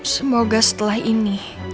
semoga setelah ini